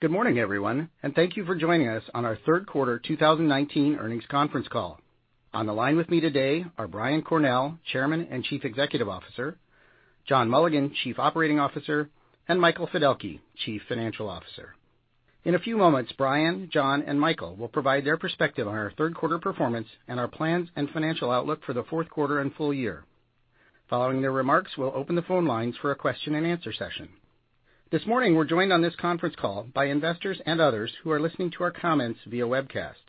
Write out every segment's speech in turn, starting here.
Good morning, everyone. Thank you for joining us on our third quarter 2019 earnings conference call. On the line with me today are Brian Cornell, Chairman and Chief Executive Officer; John Mulligan, Chief Operating Officer; and Michael Fiddelke, Chief Financial Officer. In a few moments, Brian, John, and Michael will provide their perspective on our third quarter performance and our plans and financial outlook for the fourth quarter and full year. Following their remarks, we'll open the phone lines for a question-and-answer session. This morning, we're joined on this conference call by investors and others who are listening to our comments via webcast.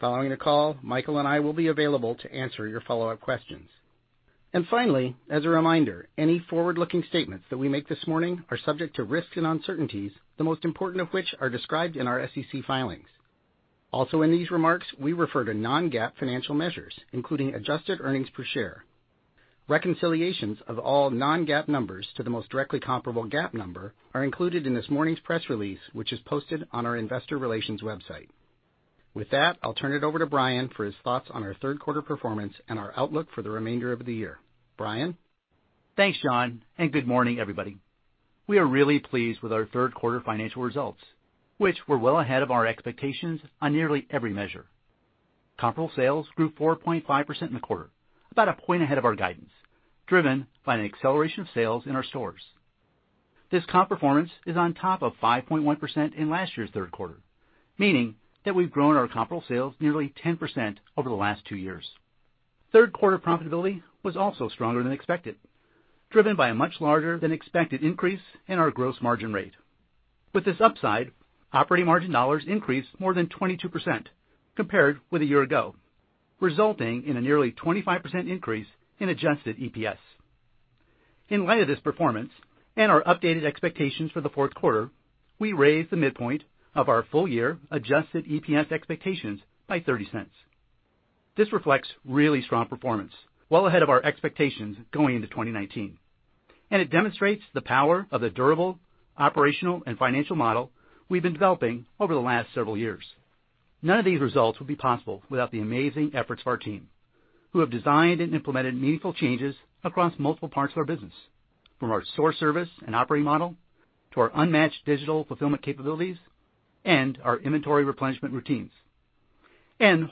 Following the call, Michael and I will be available to answer your follow-up questions. Finally, as a reminder, any forward-looking statements that we make this morning are subject to risks and uncertainties, the most important of which are described in our SEC filings. Also in these remarks, we refer to non-GAAP financial measures, including adjusted earnings per share. Reconciliations of all non-GAAP numbers to the most directly comparable GAAP number are included in this morning's press release, which is posted on our investor relations website. I'll turn it over to Brian for his thoughts on our third quarter performance and our outlook for the remainder of the year. Brian? Thanks, John, and good morning, everybody. We are really pleased with our third quarter financial results, which were well ahead of our expectations on nearly every measure. Comparable sales grew 4.5% in the quarter, about a point ahead of our guidance, driven by an acceleration of sales in our stores. This comp performance is on top of 5.1% in last year's third quarter, meaning that we've grown our comparable sales nearly 10% over the last two years. Third quarter profitability was also stronger than expected, driven by a much larger than expected increase in our gross margin rate. With this upside, operating margin dollars increased more than 22% compared with a year ago, resulting in a nearly 25% increase in adjusted EPS. In light of this performance and our updated expectations for the fourth quarter, we raised the midpoint of our full-year adjusted EPS expectations by $0.30. This reflects really strong performance well ahead of our expectations going into 2019, and it demonstrates the power of the durable operational and financial model we've been developing over the last several years. None of these results would be possible without the amazing efforts of our team, who have designed and implemented meaningful changes across multiple parts of our business, from our store service and operating model to our unmatched digital fulfillment capabilities and our inventory replenishment routines.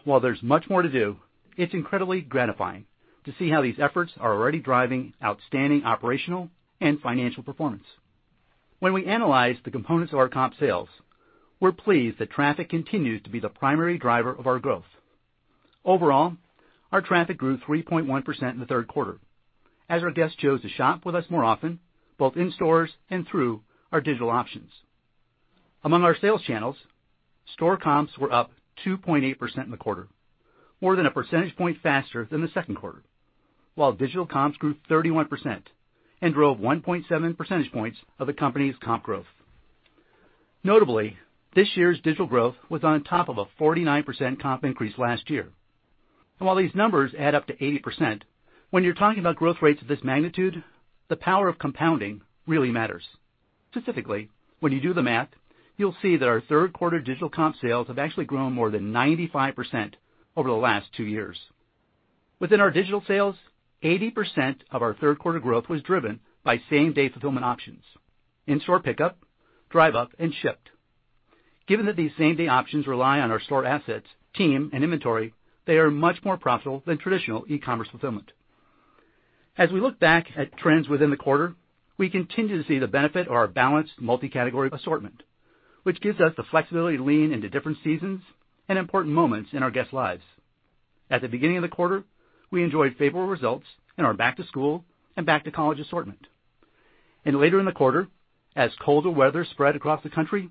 While there's much more to do, it's incredibly gratifying to see how these efforts are already driving outstanding operational and financial performance. When we analyze the components of our comp sales, we're pleased that traffic continues to be the primary driver of our growth. Overall, our traffic grew 3.1% in the third quarter as our guests chose to shop with us more often, both in stores and through our digital options. Among our sales channels, store comps were up 2.8% in the quarter, more than 1 percentage point faster than the second quarter, while digital comps grew 31% and drove 1.7 percentage points of the company's comp growth. Notably, this year's digital growth was on top of a 49% comp increase last year. While these numbers add up to 80%, when you're talking about growth rates of this magnitude, the power of compounding really matters. Specifically, when you do the math, you'll see that our third quarter digital comp sales have actually grown more than 95% over the last two years. Within our digital sales, 80% of our third quarter growth was driven by same-day fulfillment options, In-Store Pickup, Drive Up, and Shipt. Given that these same-day options rely on our store assets, team, and inventory, they are much more profitable than traditional e-commerce fulfillment. As we look back at trends within the quarter, we continue to see the benefit of our balanced multi-category assortment, which gives us the flexibility to lean into different seasons and important moments in our guests' lives. At the beginning of the quarter, we enjoyed favorable results in our back-to-school and back-to-college assortment. Later in the quarter, as colder weather spread across the country,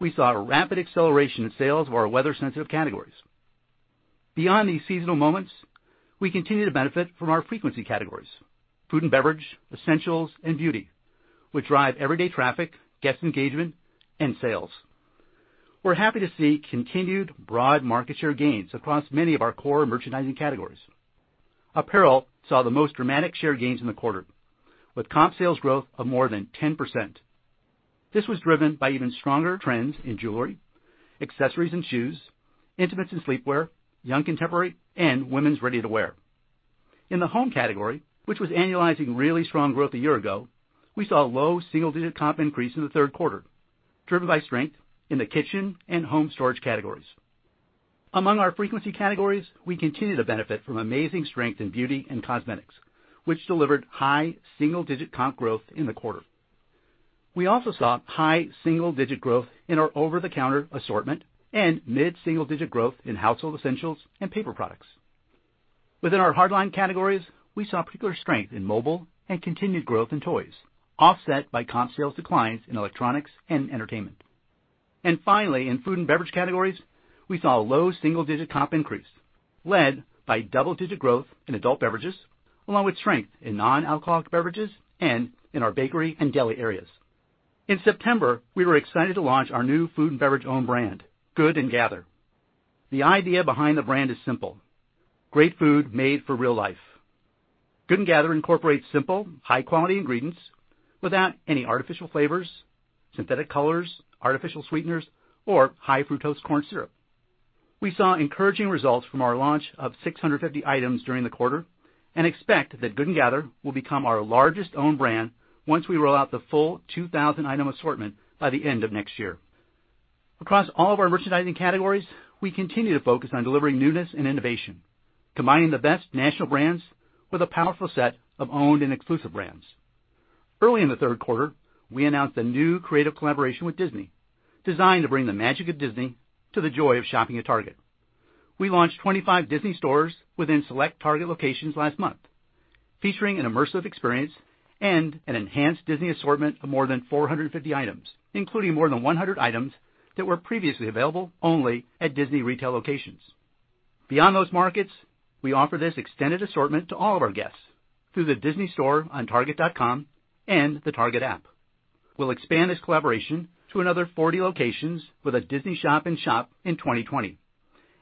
we saw a rapid acceleration in sales of our weather-sensitive categories. Beyond these seasonal moments, we continue to benefit from our frequency categories, food and beverage, essentials, and beauty, which drive everyday traffic, guest engagement, and sales. We're happy to see continued broad market share gains across many of our core merchandising categories. Apparel saw the most dramatic share gains in the quarter, with comp sales growth of more than 10%. This was driven by even stronger trends in jewelry, accessories and shoes, intimates and sleepwear, young contemporary, and women's ready-to-wear. In the home category, which was annualizing really strong growth a year ago, we saw low single-digit comp increase in the third quarter, driven by strength in the kitchen and home storage categories. Among our frequency categories, we continue to benefit from amazing strength in beauty and cosmetics, which delivered high single-digit comp growth in the quarter. We also saw high single-digit growth in our over-the-counter assortment and mid-single-digit growth in household essentials and paper products. Within our hardline categories, we saw particular strength in mobile and continued growth in toys, offset by comp sales declines in electronics and entertainment. Finally, in food and beverage categories, we saw low single-digit comp increase, led by double-digit growth in adult beverages, along with strength in non-alcoholic beverages and in our bakery and deli areas. In September, we were excited to launch our new food and beverage own brand, Good & Gather. The idea behind the brand is simple: great food made for real life. Good & Gather incorporates simple, high-quality ingredients without any artificial flavors, synthetic colors, artificial sweeteners, or high-fructose corn syrup. We saw encouraging results from our launch of 650 items during the quarter and expect that Good & Gather will become our largest own brand once we roll out the full 2,000 item assortment by the end of next year. Across all of our merchandising categories, we continue to focus on delivering newness and innovation, combining the best national brands with a powerful set of owned and exclusive brands. Early in the third quarter, we announced a new creative collaboration with Disney, designed to bring the magic of Disney to the joy of shopping at Target. We launched 25 Disney stores within select Target locations last month, featuring an immersive experience and an enhanced Disney assortment of more than 450 items, including more than 100 items that were previously available only at Disney retail locations. Beyond those markets, we offer this extended assortment to all of our guests through the Disney store on target.com and the Target app. We'll expand this collaboration to another 40 locations with a Disney shop-in-shop in 2020.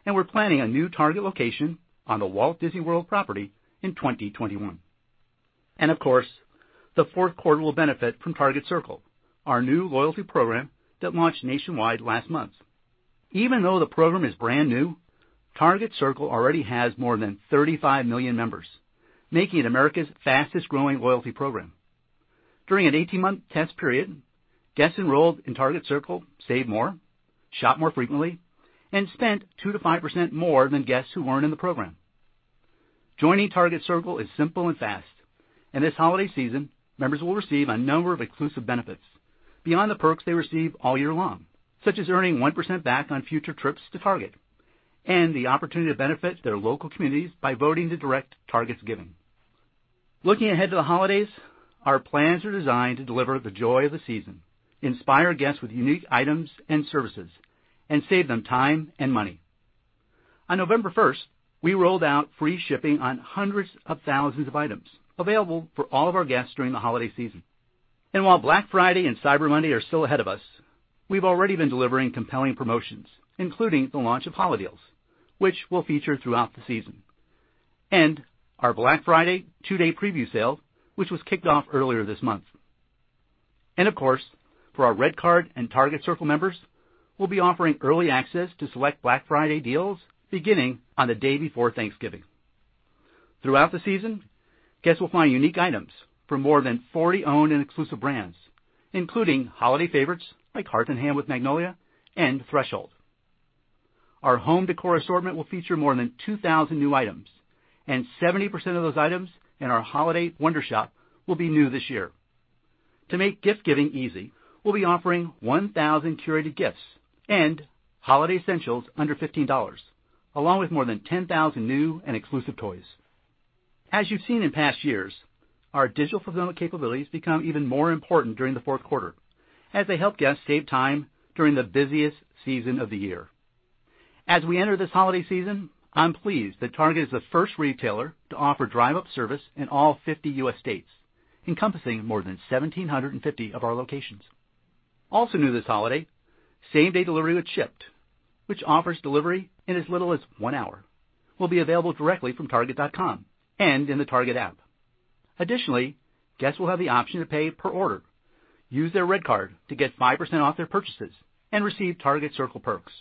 We're planning a new Target location on the Walt Disney World property in 2021. Of course, the fourth quarter will benefit from Target Circle, our new loyalty program that launched nationwide last month. Even though the program is brand new, Target Circle already has more than 35 million members, making it America's fastest-growing loyalty program. During an 18-month test period, guests enrolled in Target Circle saved more, shopped more frequently, and spent 2%-5% more than guests who weren't in the program. Joining Target Circle is simple and fast, and this holiday season, members will receive a number of exclusive benefits beyond the perks they receive all year long, such as earning 1% back on future trips to Target and the opportunity to benefit their local communities by voting to direct Target's giving. Looking ahead to the holidays, our plans are designed to deliver the joy of the season, inspire guests with unique items and services, and save them time and money. On November 1st, we rolled out free shipping on hundreds of thousands of items available for all of our guests during the holiday season. While Black Friday and Cyber Monday are still ahead of us, we've already been delivering compelling promotions, including the launch of HoliDeals, which we'll feature throughout the season, and our Black Friday two-day preview sale, which was kicked off earlier this month. Of course, for our RedCard and Target Circle members, we'll be offering early access to select Black Friday deals beginning on the day before Thanksgiving. Throughout the season, guests will find unique items from more than 40 owned and exclusive brands, including holiday favorites like Hearth & Hand with Magnolia and Threshold. Our home decor assortment will feature more than 2,000 new items, and 70% of those items in our holiday Wondershop will be new this year. To make gift-giving easy, we'll be offering 1,000 curated gifts and holiday essentials under $15, along with more than 10,000 new and exclusive toys. As you've seen in past years, our digital fulfillment capabilities become even more important during the fourth quarter as they help guests save time during the busiest season of the year. As we enter this holiday season, I'm pleased that Target is the first retailer to offer Drive Up service in all 50 U.S. states, encompassing more than 1,750 of our locations. New this holiday, same-day delivery with Shipt, which offers delivery in as little as one hour, will be available directly from target.com and in the Target app. Guests will have the option to pay per order, use their RedCard to get 5% off their purchases, and receive Target Circle perks.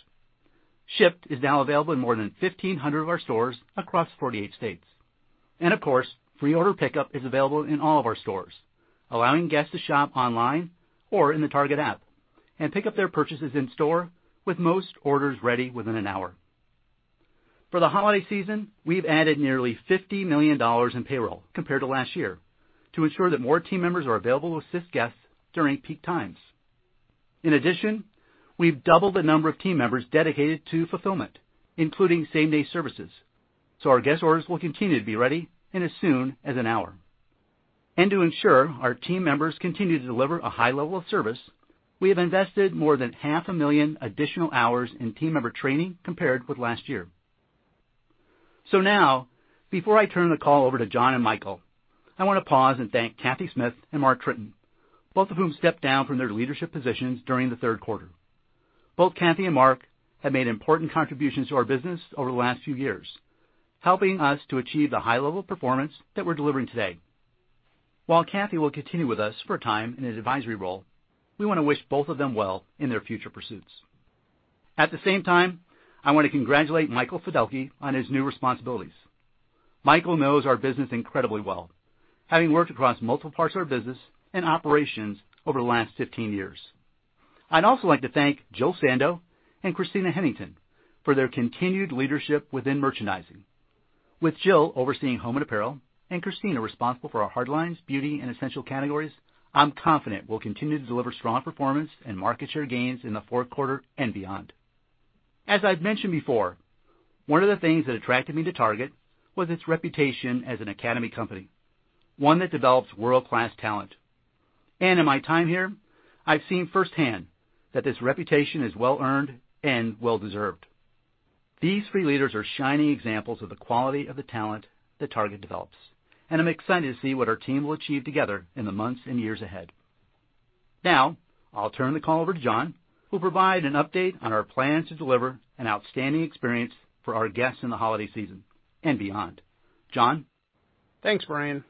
Shipt is now available in more than 1,500 of our stores across 48 states. Of course, free Order Pickup is available in all of our stores, allowing guests to shop online or in the Target app and pick up their purchases in-store, with most orders ready within an hour. For the holiday season, we've added nearly $50 million in payroll compared to last year to ensure that more team members are available to assist guests during peak times. In addition, we've doubled the number of team members dedicated to fulfillment, including same-day services, so our guest orders will continue to be ready in as soon as an hour. To ensure our team members continue to deliver a high level of service, we have invested more than half a million additional hours in team member training compared with last year. Now, before I turn the call over to John and Michael, I want to pause and thank Cathy Smith and Mark Tritton, both of whom stepped down from their leadership positions during the third quarter. Both Cathy and Mark have made important contributions to our business over the last few years, helping us to achieve the high level of performance that we're delivering today. While Cathy will continue with us for a time in an advisory role, we want to wish both of them well in their future pursuits. At the same time, I want to congratulate Michael Fiddelke on his new responsibilities. Michael knows our business incredibly well, having worked across multiple parts of our business and operations over the last 15 years. I'd also like to thank Jill Sando and Christina Hennington for their continued leadership within merchandising. With Jill overseeing home and apparel and Christina responsible for our hard lines, beauty, and essential categories, I'm confident we'll continue to deliver strong performance and market share gains in the fourth quarter and beyond. As I've mentioned before, one of the things that attracted me to Target was its reputation as an academy company, one that develops world-class talent. In my time here, I've seen firsthand that this reputation is well earned and well deserved. These three leaders are shining examples of the quality of the talent that Target develops, and I'm excited to see what our team will achieve together in the months and years ahead. Now, I'll turn the call over to John, who'll provide an update on our plans to deliver an outstanding experience for our guests in the holiday season and beyond. John? Thanks, Brian.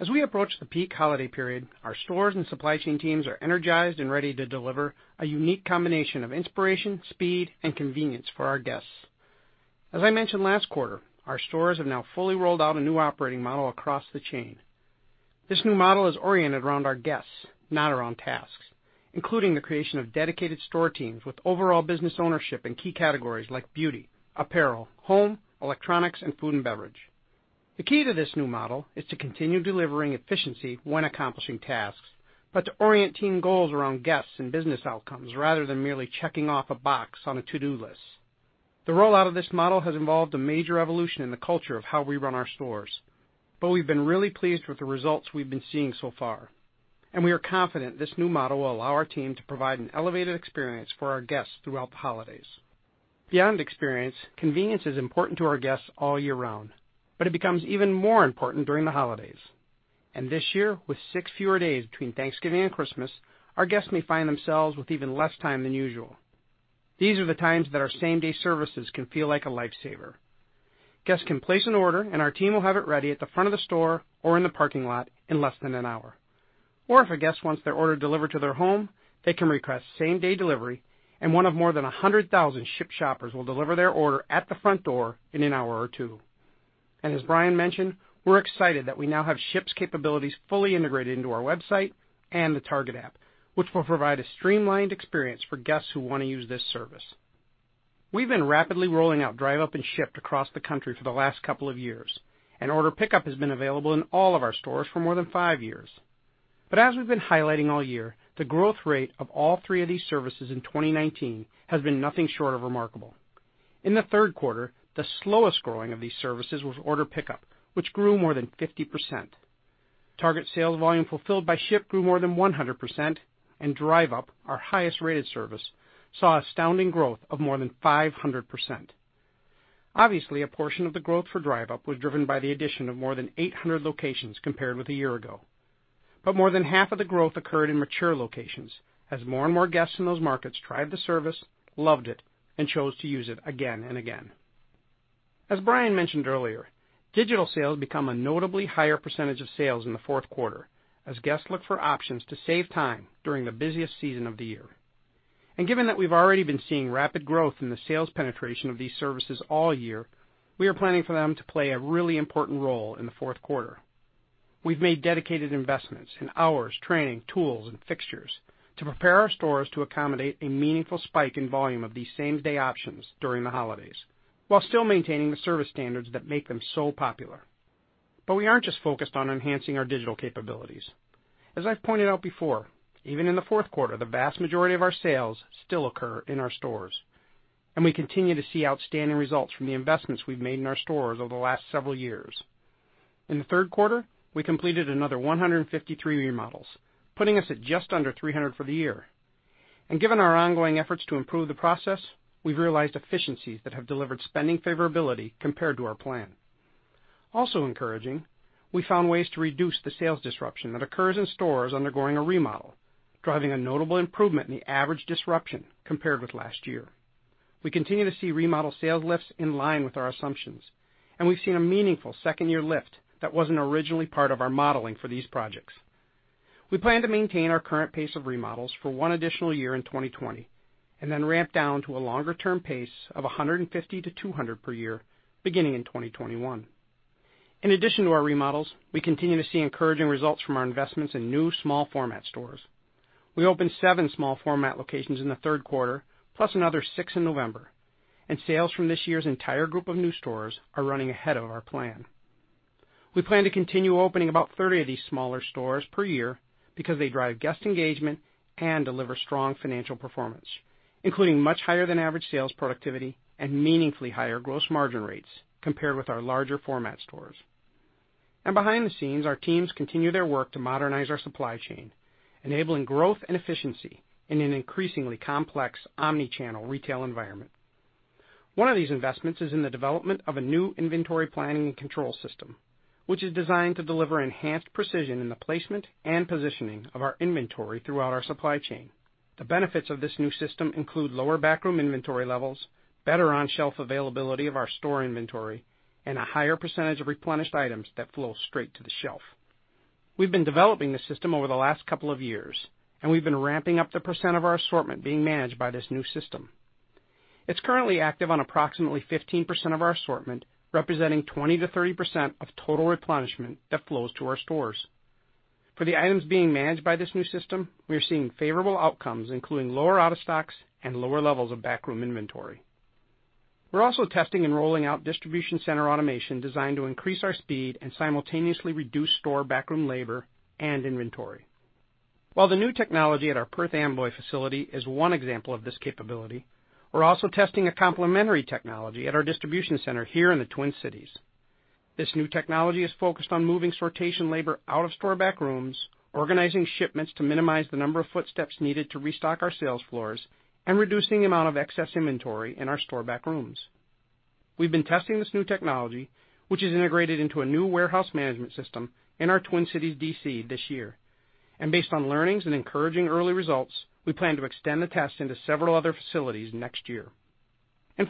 As we approach the peak holiday period, our stores and supply chain teams are energized and ready to deliver a unique combination of inspiration, speed, and convenience for our guests. As I mentioned last quarter, our stores have now fully rolled out a new operating model across the chain. This new model is oriented around our guests, not around tasks, including the creation of dedicated store teams with overall business ownership in key categories like beauty, apparel, home, electronics, and food and beverage. The key to this new model is to continue delivering efficiency when accomplishing tasks, but to orient team goals around guests and business outcomes rather than merely checking off a box on a to-do list. The rollout of this model has involved a major evolution in the culture of how we run our stores, but we've been really pleased with the results we've been seeing so far, and we are confident this new model will allow our team to provide an elevated experience for our guests throughout the holidays. Beyond experience, convenience is important to our guests all year round, but it becomes even more important during the holidays. This year, with six fewer days between Thanksgiving and Christmas, our guests may find themselves with even less time than usual. These are the times that our same-day services can feel like a lifesaver. Guests can place an order, and our team will have it ready at the front of the store or in the parking lot in less than an hour. If a guest wants their order delivered to their home, they can request same-day delivery, and one of more than 100,000 Shipt shoppers will deliver their order at the front door in an hour or two. As Brian mentioned, we're excited that we now have Shipt's capabilities fully integrated into our website and the Target app, which will provide a streamlined experience for guests who want to use this service. We've been rapidly rolling out Drive Up and Shipt across the country for the last couple of years, and Order Pickup has been available in all of our stores for more than five years. As we've been highlighting all year, the growth rate of all three of these services in 2019 has been nothing short of remarkable. In the third quarter, the slowest growing of these services was Order Pickup, which grew more than 50%. Target sales volume fulfilled by Shipt grew more than 100%. Drive Up, our highest-rated service, saw astounding growth of more than 500%. Obviously, a portion of the growth for Drive Up was driven by the addition of more than 800 locations compared with a year ago. More than half of the growth occurred in mature locations as more and more guests in those markets tried the service, loved it, and chose to use it again and again. As Brian mentioned earlier, digital sales become a notably higher percentage of sales in the fourth quarter as guests look for options to save time during the busiest season of the year. Given that we've already been seeing rapid growth in the sales penetration of these services all year, we are planning for them to play a really important role in the fourth quarter. We've made dedicated investments in hours, training, tools, and fixtures to prepare our stores to accommodate a meaningful spike in volume of these same-day options during the holidays while still maintaining the service standards that make them so popular. We aren't just focused on enhancing our digital capabilities. As I've pointed out before, even in the fourth quarter, the vast majority of our sales still occur in our stores, and we continue to see outstanding results from the investments we've made in our stores over the last several years. In the third quarter, we completed another 153 remodels, putting us at just under 300 for the year. Given our ongoing efforts to improve the process, we've realized efficiencies that have delivered spending favorability compared to our plan. Also encouraging, we found ways to reduce the sales disruption that occurs in stores undergoing a remodel, driving a notable improvement in the average disruption compared with last year. We continue to see remodel sales lifts in line with our assumptions, and we've seen a meaningful second-year lift that wasn't originally part of our modeling for these projects. We plan to maintain our current pace of remodels for one additional year in 2020, and then ramp down to a longer-term pace of 150 to 200 per year beginning in 2021. In addition to our remodels, we continue to see encouraging results from our investments in new small format stores. We opened seven small format locations in the third quarter, plus another six in November, and sales from this year's entire group of new stores are running ahead of our plan. We plan to continue opening about 30 of these smaller stores per year because they drive guest engagement and deliver strong financial performance, including much higher than average sales productivity and meaningfully higher gross margin rates compared with our larger format stores. Behind the scenes, our teams continue their work to modernize our supply chain, enabling growth and efficiency in an increasingly complex omni-channel retail environment. One of these investments is in the development of a new inventory planning and control system, which is designed to deliver enhanced precision in the placement and positioning of our inventory throughout our supply chain. The benefits of this new system include lower backroom inventory levels, better on-shelf availability of our store inventory, and a higher percentage of replenished items that flow straight to the shelf. We've been developing this system over the last couple of years, and we've been ramping up the % of our assortment being managed by this new system. It's currently active on approximately 15% of our assortment, representing 20%-30% of total replenishment that flows to our stores. For the items being managed by this new system, we are seeing favorable outcomes, including lower out-of-stocks and lower levels of backroom inventory. We're also testing and rolling out distribution center automation designed to increase our speed and simultaneously reduce store backroom labor and inventory. While the new technology at our Perth Amboy facility is one example of this capability, we're also testing a complementary technology at our distribution center here in the Twin Cities. This new technology is focused on moving sortation labor out of store backrooms, organizing shipments to minimize the number of footsteps needed to restock our sales floors, and reducing the amount of excess inventory in our store backrooms. We've been testing this new technology, which is integrated into a new warehouse management system in our Twin Cities DC this year. Based on learnings and encouraging early results, we plan to extend the test into several other facilities next year.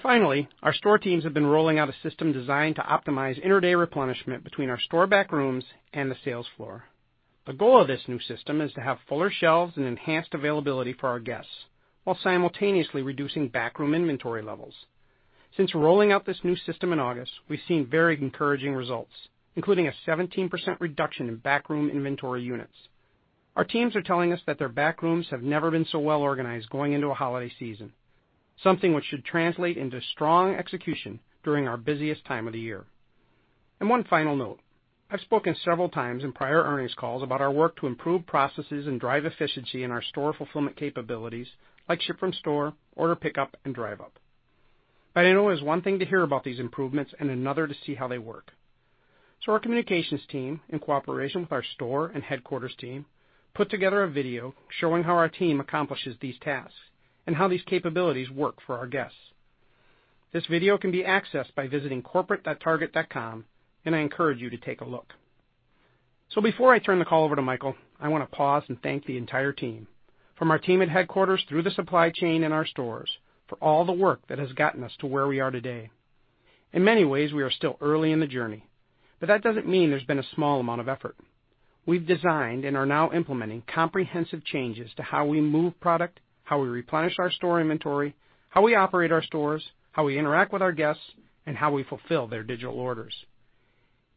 Finally, our store teams have been rolling out a system designed to optimize inter-day replenishment between our store backrooms and the sales floor. The goal of this new system is to have fuller shelves and enhanced availability for our guests, while simultaneously reducing backroom inventory levels. Since rolling out this new system in August, we've seen very encouraging results, including a 17% reduction in backroom inventory units. Our teams are telling us that their backrooms have never been so well-organized going into a holiday season, something which should translate into strong execution during our busiest time of the year. One final note. I've spoken several times in prior earnings calls about our work to improve processes and drive efficiency in our store fulfillment capabilities, like ship-from-store, Order Pickup, and Drive Up. I know it's one thing to hear about these improvements and another to see how they work. Our communications team, in cooperation with our store and headquarters team, put together a video showing how our team accomplishes these tasks and how these capabilities work for our guests. This video can be accessed by visiting corporate.target.com, and I encourage you to take a look. Before I turn the call over to Michael, I want to pause and thank the entire team, from our team at headquarters through the supply chain and our stores, for all the work that has gotten us to where we are today. In many ways, we are still early in the journey, but that doesn't mean there's been a small amount of effort. We've designed and are now implementing comprehensive changes to how we move product, how we replenish our store inventory, how we operate our stores, how we interact with our guests, and how we fulfill their digital orders.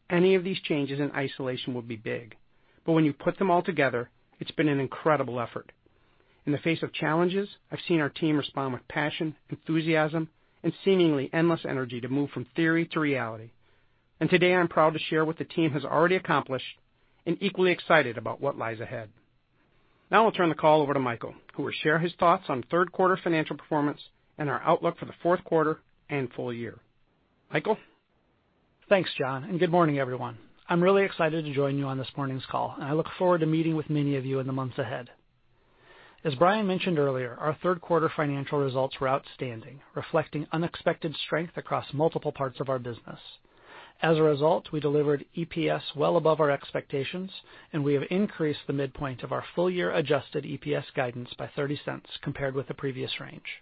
Any of these changes in isolation would be big, but when you put them all together, it's been an incredible effort. In the face of challenges, I've seen our team respond with passion, enthusiasm, and seemingly endless energy to move from theory to reality. Today, I'm proud to share what the team has already accomplished and equally excited about what lies ahead. Now I'll turn the call over to Michael, who will share his thoughts on third quarter financial performance and our outlook for the fourth quarter and full year. Michael? Thanks, John, and good morning, everyone. I'm really excited to join you on this morning's call, and I look forward to meeting with many of you in the months ahead. As Brian mentioned earlier, our third quarter financial results were outstanding, reflecting unexpected strength across multiple parts of our business. As a result, we delivered EPS well above our expectations, and we have increased the midpoint of our full-year adjusted EPS guidance by $0.30 compared with the previous range.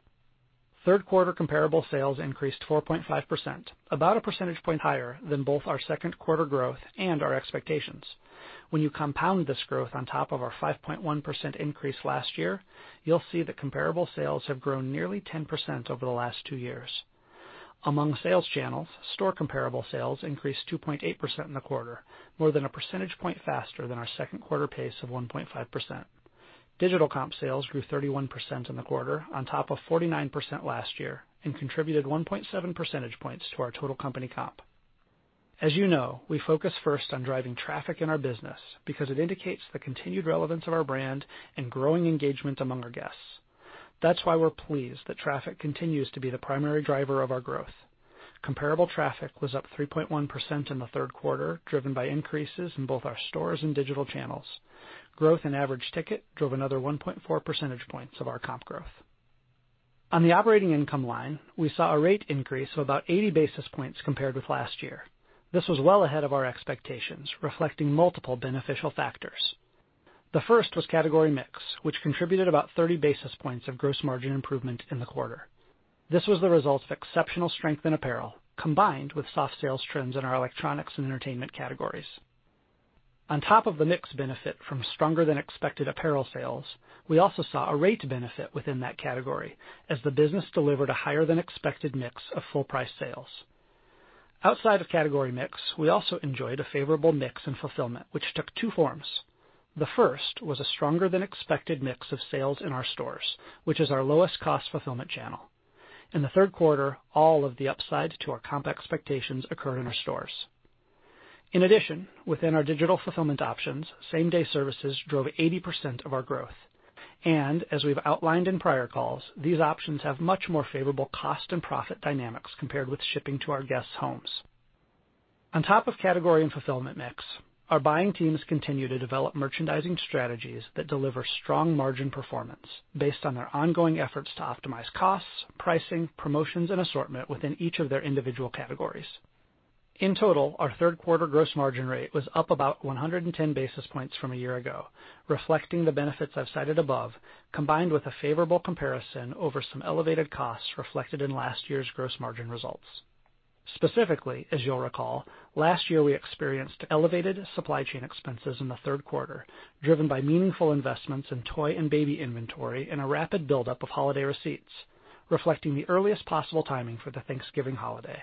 Third quarter comparable sales increased 4.5%, about 1 percentage point higher than both our second quarter growth and our expectations. When you compound this growth on top of our 5.1% increase last year, you'll see that comparable sales have grown nearly 10% over the last two years. Among sales channels, store comparable sales increased 2.8% in the quarter, more than 1 percentage point faster than our second quarter pace of 1.5%. Digital comp sales grew 31% in the quarter on top of 49% last year and contributed 1.7 percentage points to our total company comp. As you know, we focus first on driving traffic in our business because it indicates the continued relevance of our brand and growing engagement among our guests. That's why we're pleased that traffic continues to be the primary driver of our growth. Comparable traffic was up 3.1% in the third quarter, driven by increases in both our stores and digital channels. Growth in average ticket drove another 1.4 percentage points of our comp growth. On the operating income line, we saw a rate increase of about 80 basis points compared with last year. This was well ahead of our expectations, reflecting multiple beneficial factors. The first was category mix, which contributed about 30 basis points of gross margin improvement in the quarter. This was the result of exceptional strength in apparel combined with soft sales trends in our electronics and entertainment categories. On top of the mix benefit from stronger-than-expected apparel sales, we also saw a rate benefit within that category as the business delivered a higher-than-expected mix of full price sales. Outside of category mix, we also enjoyed a favorable mix in fulfillment, which took two forms. The first was a stronger-than-expected mix of sales in our stores, which is our lowest cost fulfillment channel. In the third quarter, all of the upside to our comp expectations occurred in our stores. In addition, within our digital fulfillment options, same-day services drove 80% of our growth. As we've outlined in prior calls, these options have much more favorable cost and profit dynamics compared with shipping to our guests' homes. On top of category and fulfillment mix, our buying teams continue to develop merchandising strategies that deliver strong margin performance based on their ongoing efforts to optimize costs, pricing, promotions, and assortment within each of their individual categories. In total, our third quarter gross margin rate was up about 110 basis points from a year ago, reflecting the benefits I've cited above, combined with a favorable comparison over some elevated costs reflected in last year's gross margin results. Specifically, as you'll recall, last year, we experienced elevated supply chain expenses in the third quarter, driven by meaningful investments in toy and baby inventory and a rapid buildup of holiday receipts, reflecting the earliest possible timing for the Thanksgiving holiday.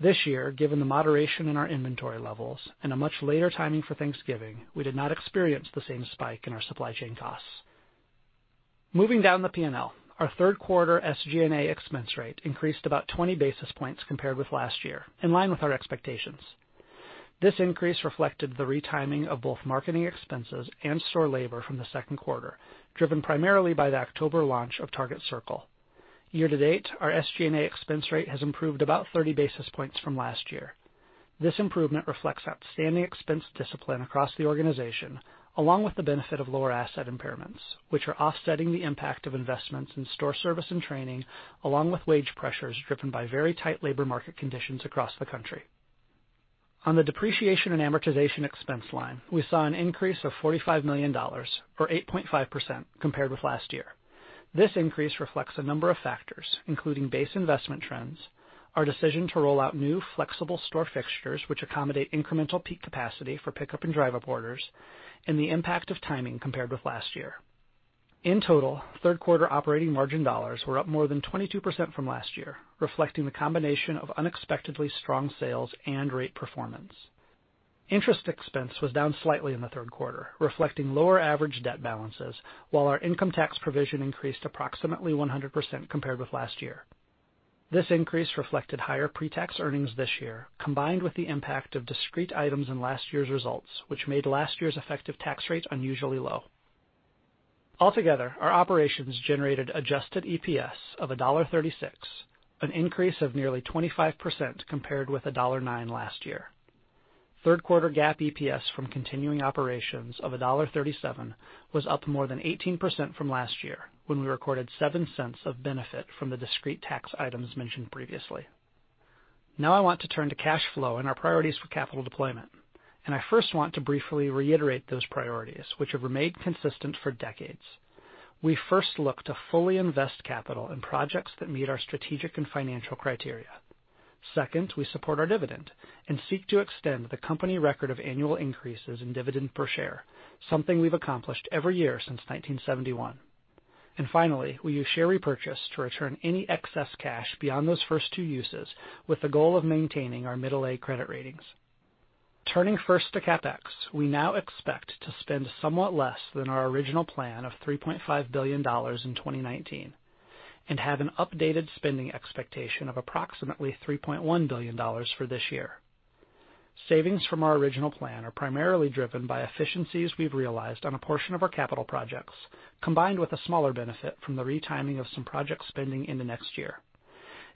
This year, given the moderation in our inventory levels and a much later timing for Thanksgiving, we did not experience the same spike in our supply chain costs. Moving down the P&L, our third quarter SG&A expense rate increased about 20 basis points compared with last year, in line with our expectations. This increase reflected the retiming of both marketing expenses and store labor from the second quarter, driven primarily by the October launch of Target Circle. Year to date, our SG&A expense rate has improved about 30 basis points from last year. This improvement reflects outstanding expense discipline across the organization, along with the benefit of lower asset impairments, which are offsetting the impact of investments in store service and training, along with wage pressures driven by very tight labor market conditions across the country. On the depreciation and amortization expense line, we saw an increase of $45 million, or 8.5% compared with last year. This increase reflects a number of factors, including base investment trends, our decision to roll out new flexible store fixtures which accommodate incremental peak capacity for Pickup and Drive Up orders, and the impact of timing compared with last year. In total, third quarter operating margin dollars were up more than 22% from last year, reflecting the combination of unexpectedly strong sales and rate performance. Interest expense was down slightly in the third quarter, reflecting lower average debt balances, while our income tax provision increased approximately 100% compared with last year. This increase reflected higher pre-tax earnings this year, combined with the impact of discrete items in last year's results, which made last year's effective tax rate unusually low. Altogether, our operations generated adjusted EPS of $1.36, an increase of nearly 25% compared with $1.09 last year. Third quarter GAAP EPS from continuing operations of $1.37 was up more than 18% from last year, when we recorded $0.07 of benefit from the discrete tax items mentioned previously. I want to turn to cash flow and our priorities for capital deployment. I first want to briefly reiterate those priorities, which have remained consistent for decades. We first look to fully invest capital in projects that meet our strategic and financial criteria. Second, we support our dividend and seek to extend the company record of annual increases in dividend per share, something we've accomplished every year since 1971. Finally, we use share repurchase to return any excess cash beyond those first two uses, with the goal of maintaining our middle A credit ratings. Turning first to CapEx, we now expect to spend somewhat less than our original plan of $3.5 billion in 2019 and have an updated spending expectation of approximately $3.1 billion for this year. Savings from our original plan are primarily driven by efficiencies we've realized on a portion of our capital projects, combined with a smaller benefit from the retiming of some project spending into next year.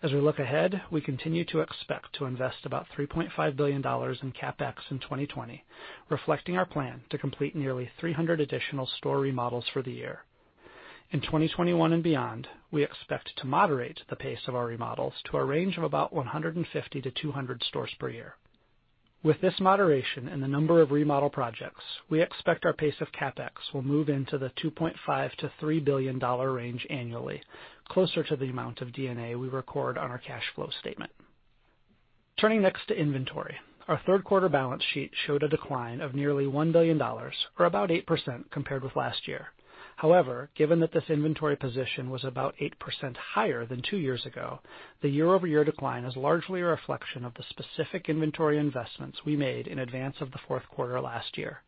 As we look ahead, we continue to expect to invest about $3.5 billion in CapEx in 2020, reflecting our plan to complete nearly 300 additional store remodels for the year. In 2021 and beyond, we expect to moderate the pace of our remodels to a range of about 150-200 stores per year. With this moderation in the number of remodel projects, we expect our pace of CapEx will move into the $2.5 billion-$3 billion range annually, closer to the amount of D&A we record on our cash flow statement. Turning next to inventory. Our third quarter balance sheet showed a decline of nearly $1 billion, or about 8%, compared with last year. However, given that this inventory position was about 8% higher than two years ago, the year-over-year decline is largely a reflection of the specific inventory investments we made in advance of the fourth quarter last year.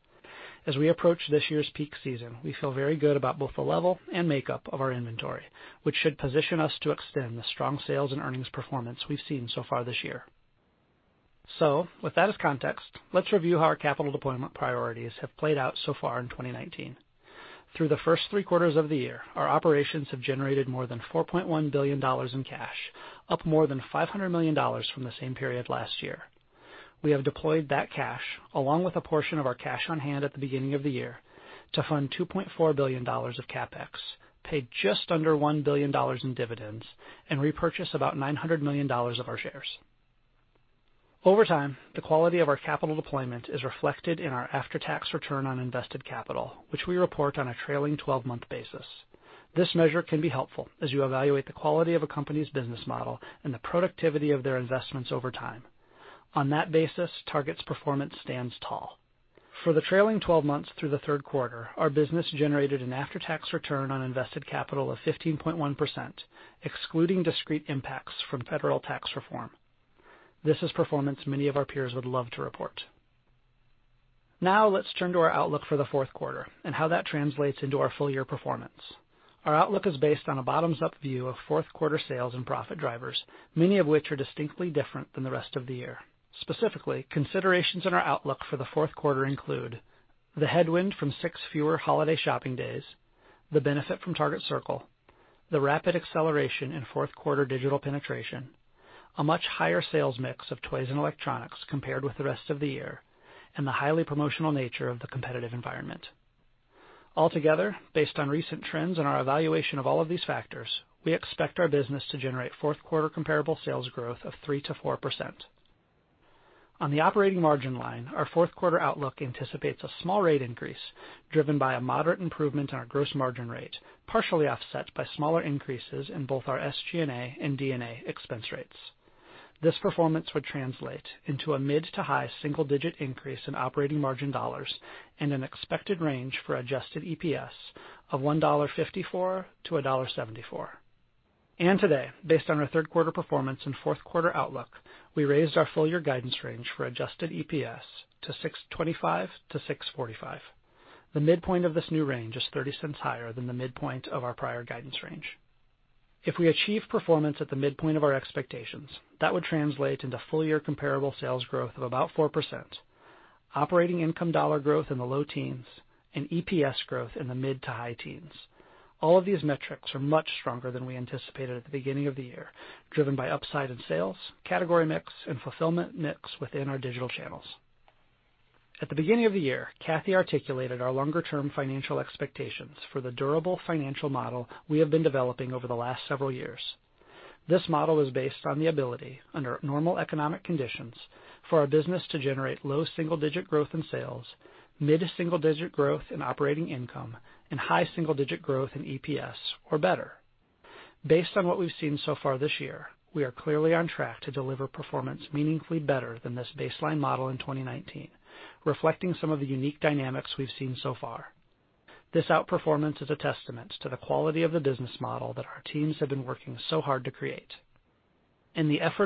As we approach this year's peak season, we feel very good about both the level and makeup of our inventory, which should position us to extend the strong sales and earnings performance we've seen so far this year. With that as context, let's review how our capital deployment priorities have played out so far in 2019. Through the first three quarters of the year, our operations have generated more than $4.1 billion in cash, up more than $500 million from the same period last year. We have deployed that cash, along with a portion of our cash on hand at the beginning of the year to fund $2.4 billion of CapEx, paid just under $1 billion in dividends and repurchase about $900 million of our shares. Over time, the quality of our capital deployment is reflected in our after-tax return on invested capital, which we report on a trailing 12-month basis. This measure can be helpful as you evaluate the quality of a company's business model and the productivity of their investments over time. On that basis, Target's performance stands tall. For the trailing 12 months through the third quarter, our business generated an after-tax return on invested capital of 15.1%, excluding discrete impacts from federal tax reform. Let's turn to our outlook for the fourth quarter and how that translates into our full year performance. Our outlook is based on a bottoms-up view of fourth quarter sales and profit drivers, many of which are distinctly different than the rest of the year. Specifically, considerations in our outlook for the fourth quarter include the headwind from six fewer holiday shopping days, the benefit from Target Circle, the rapid acceleration in fourth quarter digital penetration, a much higher sales mix of toys and electronics compared with the rest of the year, and the highly promotional nature of the competitive environment. Altogether, based on recent trends and our evaluation of all of these factors, we expect our business to generate fourth quarter comparable sales growth of 3%-4%. On the operating margin line, our fourth quarter outlook anticipates a small rate increase driven by a moderate improvement in our gross margin rate, partially offset by smaller increases in both our SG&A and D&A expense rates. This performance would translate into a mid to high single digit increase in operating margin dollars and an expected range for adjusted EPS of $1.54-$1.74. Today, based on our third quarter performance and fourth quarter outlook, we raised our full year guidance range for adjusted EPS to $6.25-$6.45. The midpoint of this new range is $0.30 higher than the midpoint of our prior guidance range. If we achieve performance at the midpoint of our expectations, that would translate into full year comparable sales growth of about 4%, operating income dollar growth in the low teens, and EPS growth in the mid to high teens. All of these metrics are much stronger than we anticipated at the beginning of the year, driven by upside in sales, category mix, and fulfillment mix within our digital channels. At the beginning of the year, Cathy articulated our longer-term financial expectations for the durable financial model we have been developing over the last several years. This model is based on the ability, under normal economic conditions, for our business to generate low single-digit growth in sales, mid-single-digit growth in operating income, and high single-digit growth in EPS or better. Based on what we've seen so far this year, we are clearly on track to deliver performance meaningfully better than this baseline model in 2019, reflecting some of the unique dynamics we've seen so far. The effort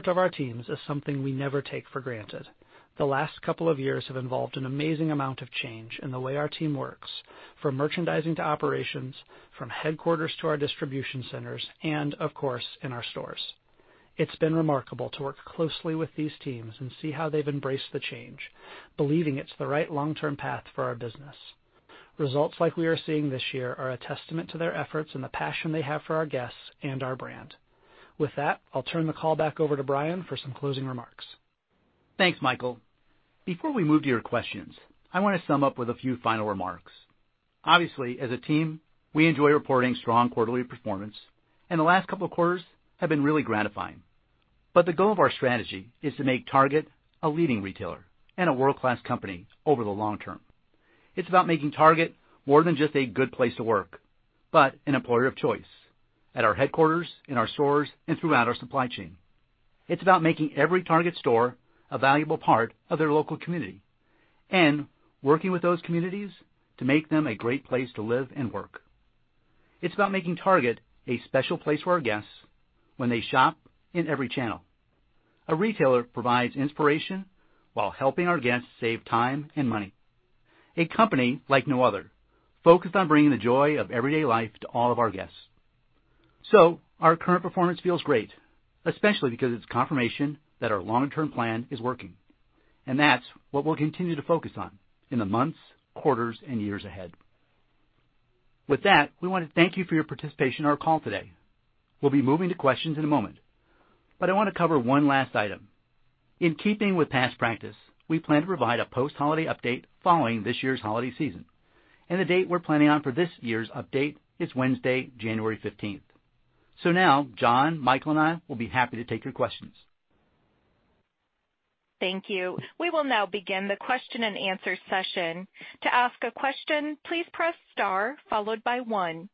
of our teams is something we never take for granted. The last couple of years have involved an amazing amount of change in the way our team works, from merchandising to operations, from headquarters to our distribution centers, and of course, in our stores. It's been remarkable to work closely with these teams and see how they've embraced the change, believing it's the right long-term path for our business. Results like we are seeing this year are a testament to their efforts and the passion they have for our guests and our brand. With that, I'll turn the call back over to Brian for some closing remarks. Thanks, Michael. Before we move to your questions, I want to sum up with a few final remarks. Obviously, as a team, we enjoy reporting strong quarterly performance, and the last couple of quarters have been really gratifying. The goal of our strategy is to make Target a leading retailer and a world-class company over the long term. It's about making Target more than just a good place to work, but an employer of choice at our headquarters, in our stores, and throughout our supply chain. It's about making every Target store a valuable part of their local community and working with those communities to make them a great place to live and work. It's about making Target a special place for our guests when they shop in every channel. A retailer provides inspiration while helping our guests save time and money. A company like no other, focused on bringing the joy of everyday life to all of our guests. Our current performance feels great, especially because it's confirmation that our long-term plan is working, and that's what we'll continue to focus on in the months, quarters, and years ahead. With that, we want to thank you for your participation in our call today. We'll be moving to questions in a moment. I want to cover one last item. In keeping with past practice, we plan to provide a post-holiday update following this year's holiday season, and the date we're planning on for this year's update is Wednesday, January 15th. Now, John, Michael, and I will be happy to take your questions. Thank you. We will now begin the question-and-answer session. To ask a question, please press star followed by one.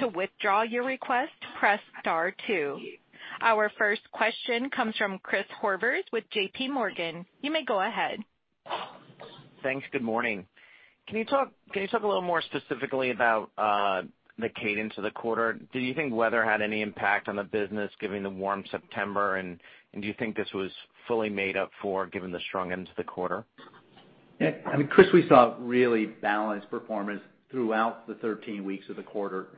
To withdraw your request, press star two. Our first question comes from Chris Horvers with JPMorgan. You may go ahead. Thanks. Good morning. Can you talk a little more specifically about the cadence of the quarter? Do you think weather had any impact on the business, given the warm September, and do you think this was fully made up for, given the strong end to the quarter? I mean, Chris, we saw really balanced performance throughout the 13 weeks of the quarter.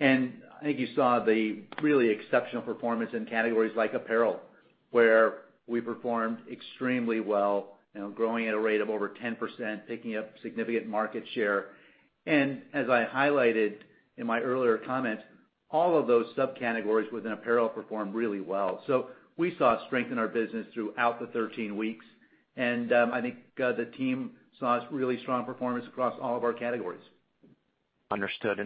I think you saw the really exceptional performance in categories like apparel, where we performed extremely well, growing at a rate of over 10%, picking up significant market share. As I highlighted in my earlier comments, all of those subcategories within apparel performed really well. We saw strength in our business throughout the 13 weeks, and I think the team saw really strong performance across all of our categories. Understood.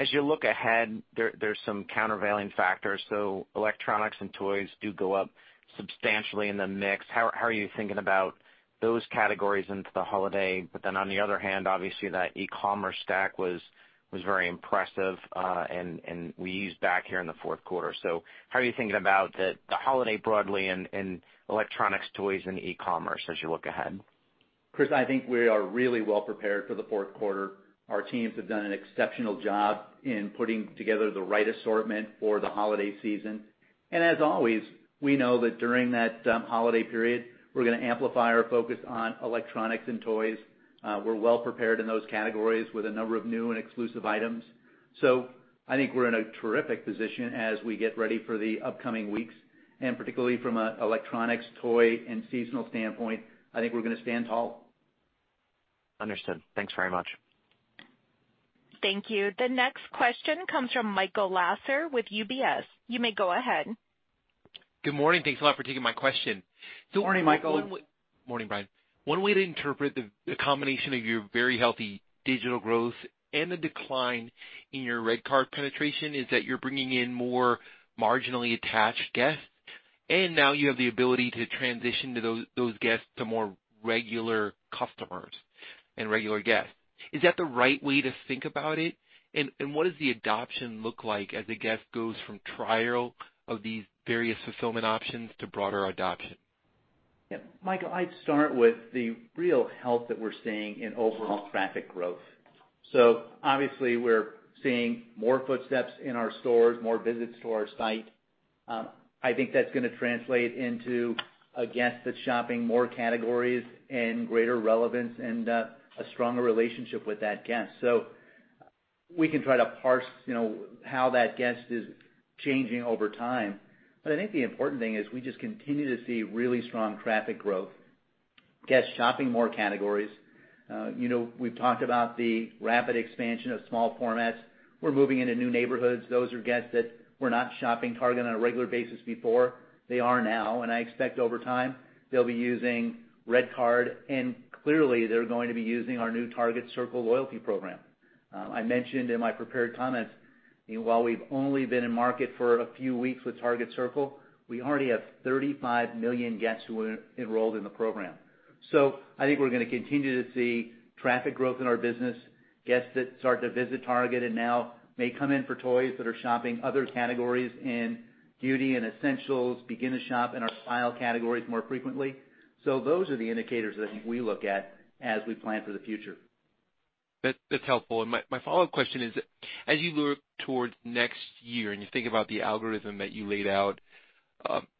As you look ahead, there's some countervailing factors. Electronics and toys do go up substantially in the mix. How are you thinking about those categories into the holiday? On the other hand, obviously that e-commerce stack was very impressive, and we ease back here in the fourth quarter. How are you thinking about the holiday broadly and electronics, toys, and e-commerce as you look ahead? Chris, I think we are really well prepared for the fourth quarter. Our teams have done an exceptional job in putting together the right assortment for the holiday season. As always, we know that during that holiday period, we're going to amplify our focus on electronics and toys. We're well prepared in those categories with a number of new and exclusive items. I think we're in a terrific position as we get ready for the upcoming weeks, and particularly from an electronics, toy, and seasonal standpoint, I think we're going to stand tall. Understood. Thanks very much. Thank you. The next question comes from Michael Lasser with UBS. You may go ahead. Good morning. Thanks a lot for taking my question. Good morning, Michael. Morning, Brian. One way to interpret the combination of your very healthy digital growth and the decline in your RedCard penetration is that you're bringing in more marginally attached guests. Now you have the ability to transition those guests to more regular customers and regular guests. Is that the right way to think about it? What does the adoption look like as a guest goes from trial of these various fulfillment options to broader adoption? Michael, I'd start with the real health that we're seeing in overall traffic growth. Obviously we're seeing more footsteps in our stores, more visits to our site. I think that's going to translate into a guest that's shopping more categories and greater relevance and a stronger relationship with that guest. We can try to parse how that guest is changing over time, but I think the important thing is we just continue to see really strong traffic growth, guests shopping more categories. We've talked about the rapid expansion of small formats. We're moving into new neighborhoods. Those are guests that were not shopping Target on a regular basis before. They are now, I expect over time, they'll be using RedCard, clearly, they're going to be using our new Target Circle loyalty program. I mentioned in my prepared comments, while we've only been in market for a few weeks with Target Circle, we already have 35 million guests who are enrolled in the program. I think we're going to continue to see traffic growth in our business, guests that start to visit Target and now may come in for toys that are shopping other categories in beauty and essentials, begin to shop in our style categories more frequently. Those are the indicators that we look at as we plan for the future. That's helpful. My follow-up question is, as you look towards next year and you think about the algorithm that you laid out,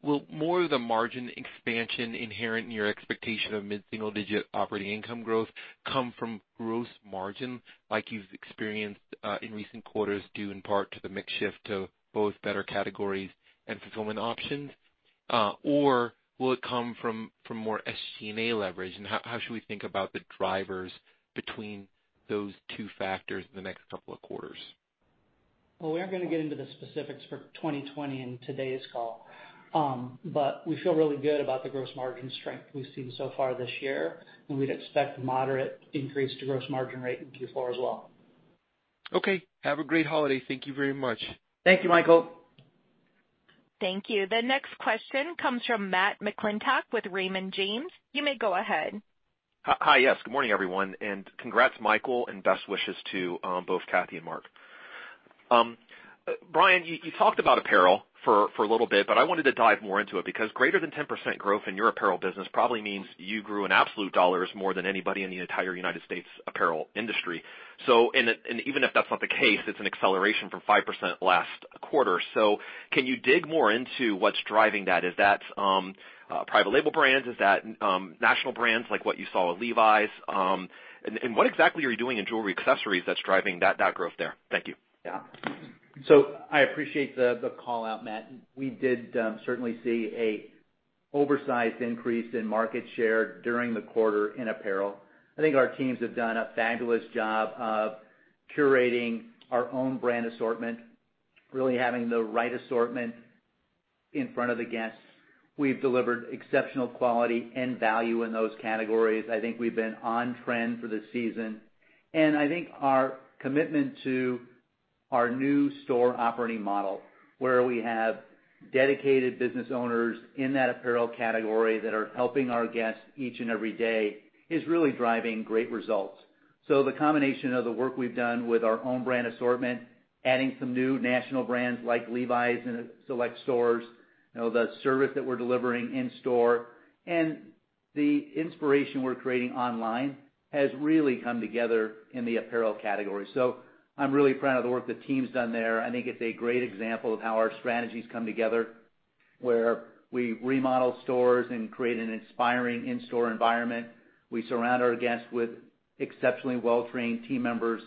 will more of the margin expansion inherent in your expectation of mid-single-digit operating income growth come from gross margin like you've experienced in recent quarters due in part to the mix shift to both better categories and fulfillment options? Will it come from more SG&A leverage? How should we think about the drivers between those two factors in the next couple of quarters? Well, we aren't going to get into the specifics for 2020 in today's call. We feel really good about the gross margin strength we've seen so far this year, and we'd expect moderate increase to gross margin rate in Q4 as well. Okay. Have a great holiday. Thank you very much. Thank you, Michael. Thank you. The next question comes from Matt McClintock with Raymond James. You may go ahead. Hi, yes. Good morning, everyone, and congrats, Michael, and best wishes to both Cathy and Mark. Brian, you talked about apparel for a little bit, but I wanted to dive more into it because greater than 10% growth in your apparel business probably means you grew in absolute dollars more than anybody in the entire U.S. apparel industry. Even if that's not the case, it's an acceleration from 5% last quarter. Can you dig more into what's driving that? Is that private label brands? Is that national brands like what you saw with Levi's? What exactly are you doing in jewelry accessories that's driving that growth there? Thank you. I appreciate the call-out, Matt. We did certainly see an oversized increase in market share during the quarter in apparel. I think our teams have done a fabulous job of curating our own brand assortment, really having the right assortment in front of the guests. We've delivered exceptional quality and value in those categories. I think we've been on trend for the season. I think our commitment to our new store operating model, where we have dedicated business owners in that apparel category that are helping our guests each and every day, is really driving great results. The combination of the work we've done with our own brand assortment, adding some new national brands like Levi's in select stores, the service that we're delivering in store, and the inspiration we're creating online has really come together in the apparel category. I'm really proud of the work the team's done there. I think it's a great example of how our strategies come together, where we remodel stores and create an inspiring in-store environment. We surround our guests with exceptionally well-trained team members.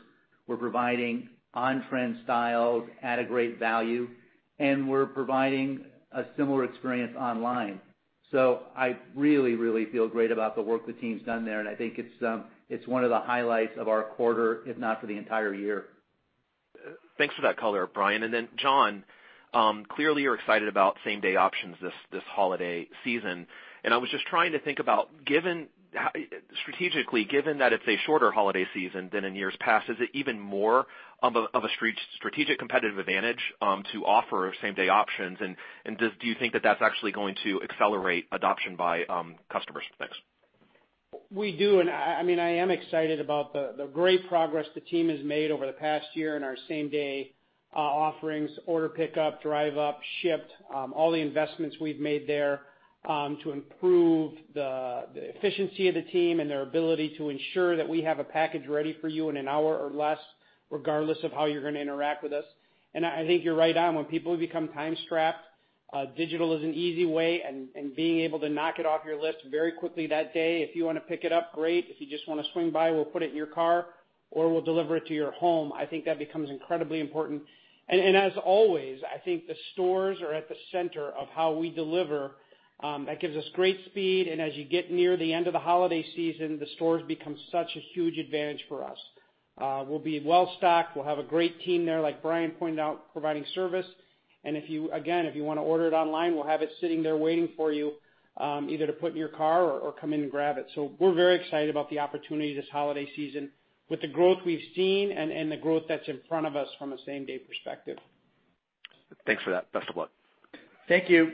We're providing on-trend styles at a great value, and we're providing a similar experience online. I really feel great about the work the team's done there, and I think it's one of the highlights of our quarter, if not for the entire year. Thanks for that color, Brian. John, clearly you're excited about same-day options this holiday season. I was just trying to think about strategically, given that it's a shorter holiday season than in years past, is it even more of a strategic competitive advantage to offer same-day options? Do you think that that's actually going to accelerate adoption by customers? Thanks. We do. I am excited about the great progress the team has made over the past year in our same-day offerings, Order Pickup, Drive Up, Shipt, all the investments we've made there to improve the efficiency of the team and their ability to ensure that we have a package ready for you in an hour or less, regardless of how you're going to interact with us. I think you're right on. When people become time-strapped, digital is an easy way, and being able to knock it off your list very quickly that day. If you want to pick it up, great. If you just want to swing by, we'll put it in your car, or we'll deliver it to your home. I think that becomes incredibly important. As always, I think the stores are at the center of how we deliver. That gives us great speed, and as you get near the end of the holiday season, the stores become such a huge advantage for us. We'll be well-stocked. We'll have a great team there, like Brian pointed out, providing service. Again, if you want to order it online, we'll have it sitting there waiting for you, either to put in your car or come in and grab it. We're very excited about the opportunity this holiday season with the growth we've seen and the growth that's in front of us from a same-day perspective. Thanks for that. Best of luck. Thank you.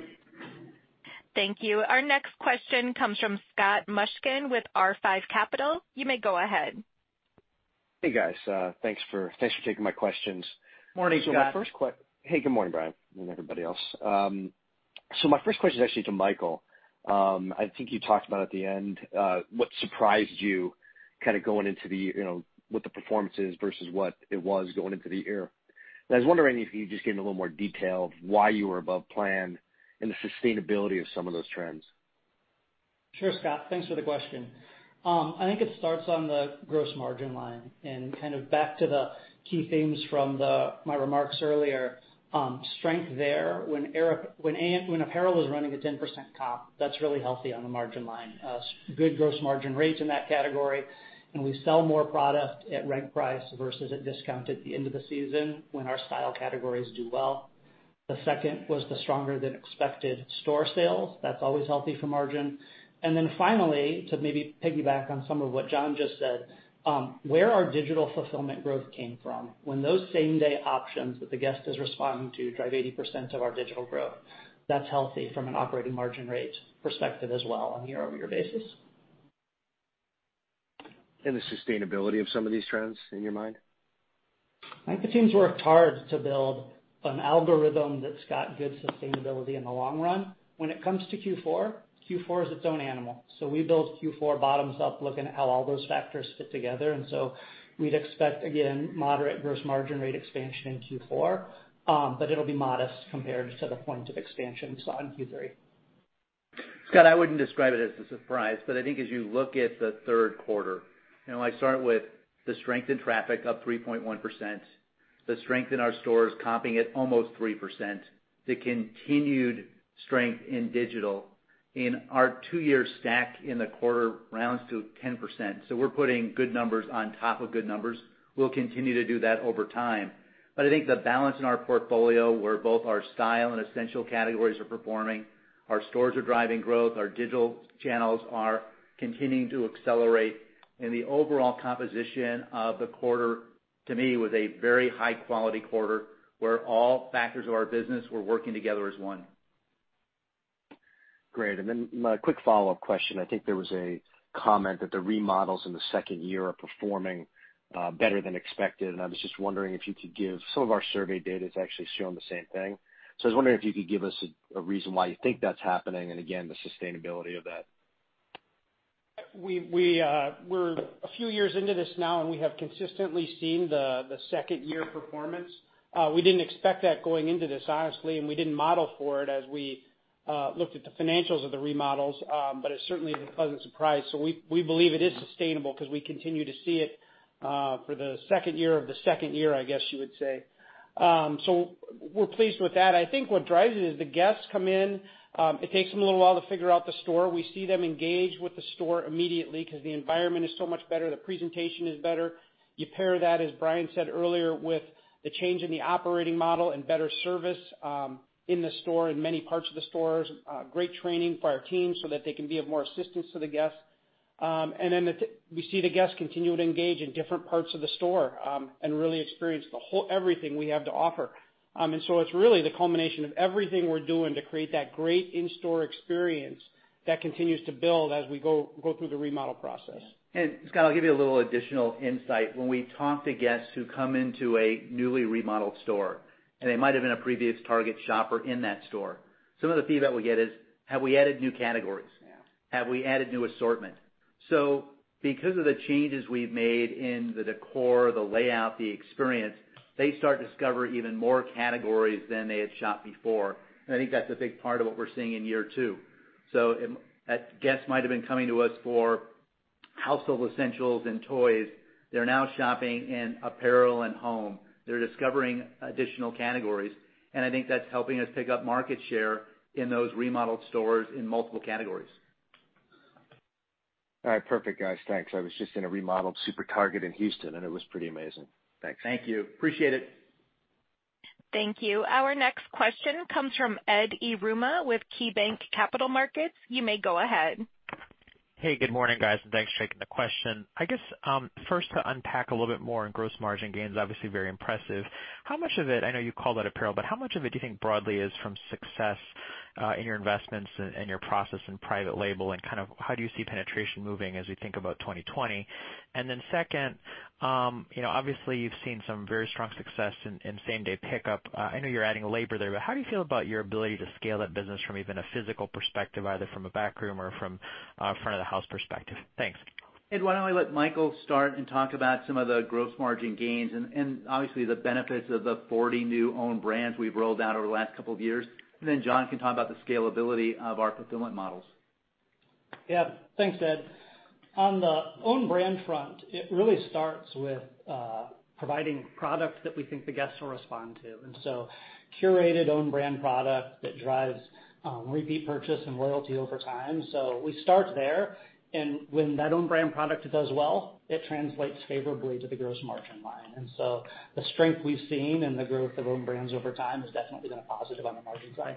Thank you. Our next question comes from Scott Mushkin with R5 Capital. You may go ahead. Hey, guys. Thanks for taking my questions. Morning, Scott. Hey, good morning, Brian, and everybody else. My first question is actually to Michael. I think you talked about at the end what surprised you kind of going into what the performance is versus what it was going into the year. I was wondering if you could just get into a little more detail of why you were above plan and the sustainability of some of those trends. Sure, Scott. Thanks for the question. I think it starts on the gross margin line and kind of back to the key themes from my remarks earlier. Strength there, when apparel is running at 10% comp, that's really healthy on the margin line. Good gross margin rates in that category. We sell more product at reg price versus at discount at the end of the season when our style categories do well. The second was the stronger than expected store sales. That's always healthy for margin. Finally, to maybe piggyback on some of what John just said, where our digital fulfillment growth came from, when those same-day options that the guest is responding to drive 80% of our digital growth, that's healthy from an operating margin rate perspective as well on a year-over-year basis. The sustainability of some of these trends, in your mind? I think the team's worked hard to build an algorithm that's got good sustainability in the long run. When it comes to Q4 is its own animal. We build Q4 bottoms up, looking at how all those factors fit together. We'd expect, again, moderate gross margin rate expansion in Q4, but it'll be modest compared to the point of expansions on Q3. Scott, I wouldn't describe it as a surprise, but I think as you look at the third quarter, I start with the strength in traffic up 3.1%, the strength in our stores comping at almost 3%, the continued strength in digital. Our two-year stack in the quarter rounds to 10%. So, we're putting good numbers on top of good numbers. We'll continue to do that over time. But I think the balance in our portfolio, where both our style and essential categories are performing, our stores are driving growth, our digital channels are continuing to accelerate, and the overall composition of the quarter, to me, was a very high quality quarter, where all factors of our business were working together as one. Great. Then my quick follow-up question, I think there was a comment that the remodels in the second year are performing better than expected. Some of our survey data is actually showing the same thing. I was wondering if you could give us a reason why you think that's happening, and again, the sustainability of that? We're a few years into this now, and we have consistently seen the second-year performance. We didn't expect that going into this, honestly, and we didn't model for it as we looked at the financials of the remodels. It certainly is a pleasant surprise. We believe it is sustainable because we continue to see it for the second year of the second year, I guess you would say. We're pleased with that. I think what drives it is the guests come in. It takes them a little while to figure out the store. We see them engage with the store immediately because the environment is so much better, the presentation is better. You pair that, as Brian said earlier, with the change in the operating model and better service in the store, in many parts of the stores. Great training for our team so that they can be of more assistance to the guests. We see the guests continue to engage in different parts of the store, and really experience everything we have to offer. It's really the culmination of everything we're doing to create that great in-store experience that continues to build as we go through the remodel process. Scott, I'll give you a little additional insight. When we talk to guests who come into a newly remodeled store, and they might've been a previous Target shopper in that store, some of the feedback we get is, have we added new categories? Yeah. Have we added new assortment? Because of the changes we've made in the decor, the layout, the experience, they start to discover even more categories than they had shopped before. I think that's a big part of what we're seeing in year two. Guests might've been coming to us for household essentials and toys. They're now shopping in apparel and home. They're discovering additional categories, and I think that's helping us pick up market share in those remodeled stores in multiple categories. All right. Perfect, guys. Thanks. I was just in a remodeled Super Target in Houston, and it was pretty amazing. Thanks. Thank you. Appreciate it. Thank you. Our next question comes from Ed Yruma with KeyBanc Capital Markets. You may go ahead. Good morning, guys, thanks for taking the question. I guess, first to unpack a little bit more on gross margin gains, obviously very impressive. How much of it, I know you called out apparel, but how much of it do you think broadly is from success in your investments and your process in private label, kind of how do you see penetration moving as we think about 2020? Second, obviously you've seen some very strong success in same-day pickup. I know you're adding labor there, how do you feel about your ability to scale that business from even a physical perspective, either from a back room or from a front of the house perspective? Thanks. Ed, why don't I let Michael start and talk about some of the gross margin gains and obviously the benefits of the 40 new own brands we've rolled out over the last couple of years, and then John can talk about the scalability of our fulfillment models. Yeah. Thanks, Ed. On the own brand front, it really starts with providing product that we think the guests will respond to. Curated own brand product that drives repeat purchase and loyalty over time. We start there, and when that own brand product does well, it translates favorably to the gross margin line. The strength we've seen in the growth of own brands over time has definitely been a positive on the margin side.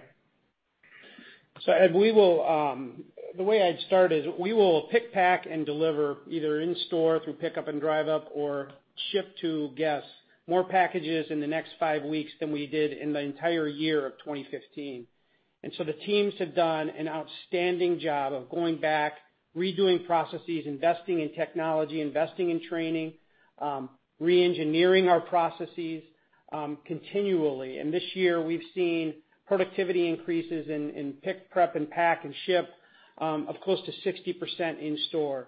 Ed, the way I'd start is we will pick, pack, and deliver either in store through Pickup and Drive Up or ship to guests more packages in the next five weeks than we did in the entire year of 2015. The teams have done an outstanding job of going back, redoing processes, investing in technology, investing in training, re-engineering our processes continually. This year we've seen productivity increases in pick, prep, and pack and ship of close to 60% in store.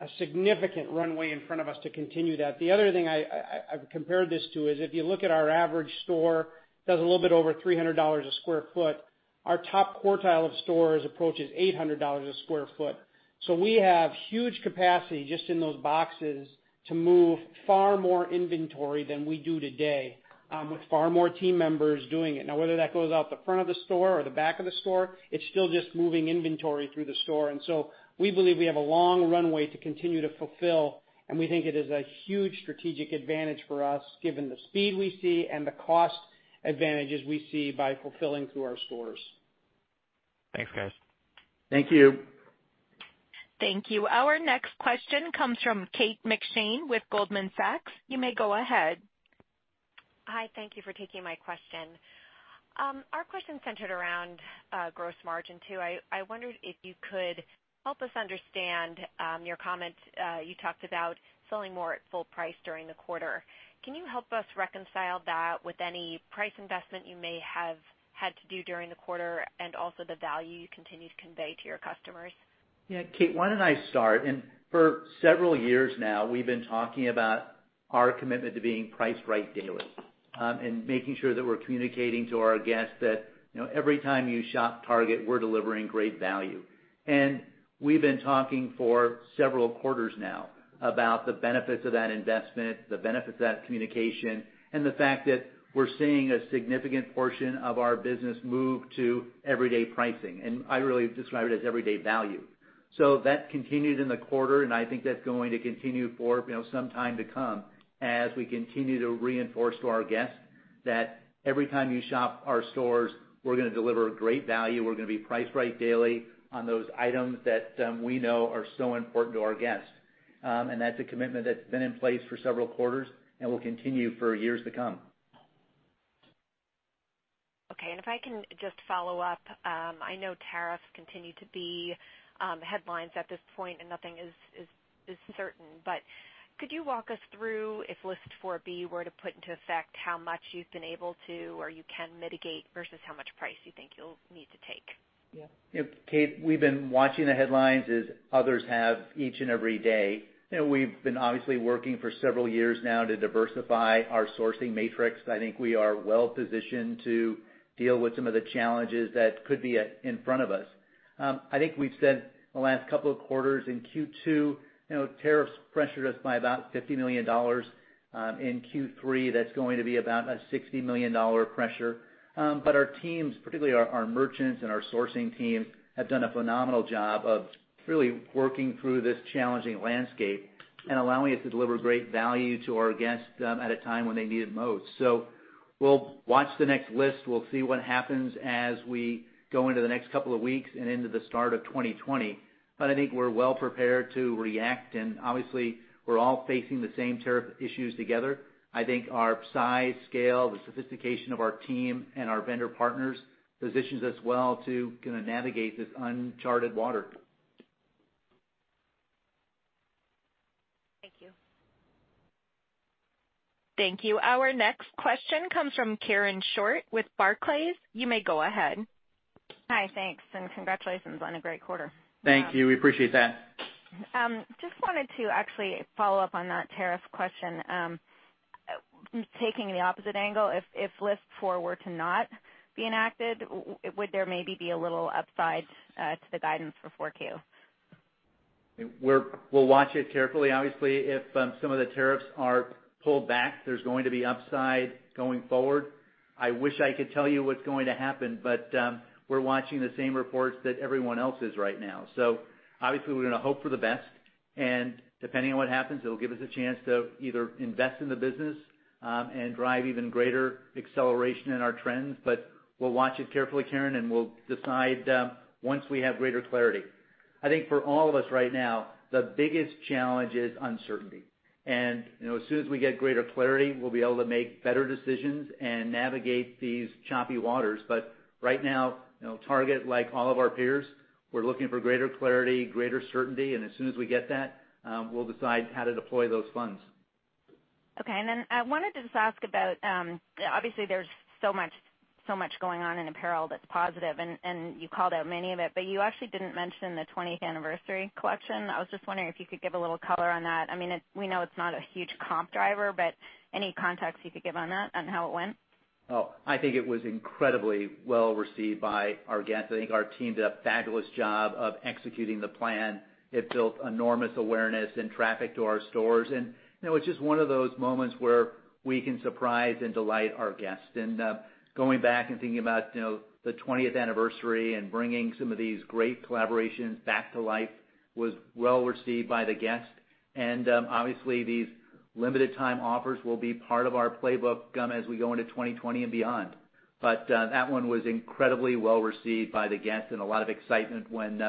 A significant runway in front of us to continue that. The other thing I've compared this to is if you look at our average store, does a little bit over $300 a square foot. Our top quartile of stores approaches $800 a square foot. We have huge capacity just in those boxes to move far more inventory than we do today, with far more team members doing it. Now, whether that goes out the front of the store or the back of the store, it's still just moving inventory through the store. We believe we have a long runway to continue to fulfill, and we think it is a huge strategic advantage for us given the speed we see and the cost advantages we see by fulfilling through our stores. Thanks, guys. Thank you. Thank you. Our next question comes from Kate McShane with Goldman Sachs. You may go ahead. Hi. Thank you for taking my question. Our question centered around gross margin too. I wondered if you could help us understand your comment. You talked about selling more at full price during the quarter. Can you help us reconcile that with any price investment you may have had to do during the quarter and also the value you continue to convey to your customers? Yeah, Kate, why don't I start? For several years now, we've been talking about our commitment to being priced right daily, and making sure that we're communicating to our guests that every time you shop Target, we're delivering great value. We've been talking for several quarters now about the benefits of that investment, the benefits of that communication, and the fact that we're seeing a significant portion of our business move to everyday pricing. I really describe it as everyday value. That continued in the quarter, and I think that's going to continue for some time to come as we continue to reinforce to our guests that every time you shop our stores, we're gonna deliver great value, we're gonna be priced right daily on those items that we know are so important to our guests. That's a commitment that's been in place for several quarters and will continue for years to come. Okay, if I can just follow up. I know tariffs continue to be headlines at this point and nothing is certain. Could you walk us through if List 4B were to put into effect, how much you've been able to, or you can mitigate, versus how much price you think you'll need to take? Kate, we've been watching the headlines as others have each and every day. We've been obviously working for several years now to diversify our sourcing matrix. I think we are well-positioned to deal with some of the challenges that could be in front of us. I think we've said the last couple of quarters, in Q2, tariffs pressured us by about $50 million. In Q3, that's going to be about a $60 million pressure. Our teams, particularly our merchants and our sourcing team, have done a phenomenal job of really working through this challenging landscape and allowing us to deliver great value to our guests at a time when they need it most. We'll watch the next list. We'll see what happens as we go into the next couple of weeks and into the start of 2020. I think we're well prepared to react, and obviously, we're all facing the same tariff issues together. I think our size, scale, the sophistication of our team and our vendor partners positions us well to kind of navigate this uncharted water. Thank you. Thank you. Our next question comes from Karen Short with Barclays. You may go ahead. Hi, thanks, and congratulations on a great quarter. Thank you. We appreciate that. Just wanted to actually follow up on that tariff question. Taking the opposite angle, if List 4 were to not be enacted, would there maybe be a little upside to the guidance for 4Q? We'll watch it carefully. Obviously, if some of the tariffs are pulled back, there's going to be upside going forward. I wish I could tell you what's going to happen, but we're watching the same reports that everyone else is right now. Obviously, we're going to hope for the best, and depending on what happens, it'll give us a chance to either invest in the business and drive even greater acceleration in our trends. We'll watch it carefully, Karen, and we'll decide once we have greater clarity. I think for all of us right now, the biggest challenge is uncertainty. As soon as we get greater clarity, we'll be able to make better decisions and navigate these choppy waters. Right now, Target, like all of our peers, we're looking for greater clarity, greater certainty, and as soon as we get that, we'll decide how to deploy those funds. Okay, I wanted to just ask about, obviously there's so much going on in apparel that's positive, and you called out many of it, but you actually didn't mention the 20th anniversary collection. I was just wondering if you could give a little color on that. We know it's not a huge comp driver, but any context you could give on that, on how it went? I think it was incredibly well received by our guests. I think our team did a fabulous job of executing the plan. It built enormous awareness and traffic to our stores. It's just one of those moments where we can surprise and delight our guests. Going back and thinking about the 20th anniversary and bringing some of these great collaborations back to life was well received by the guests. Obviously these limited time offers will be part of our playbook as we go into 2020 and beyond. That one was incredibly well received by the guests and a lot of excitement when